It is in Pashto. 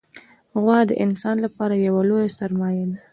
غوا د انسان لپاره یوه لویه سرمایه ده.